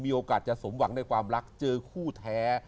มีโอกาสจะสมหวังในความรักเจอคู่แท้